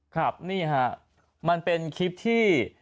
ครับนี่ฮะมันเป็นคลิปที่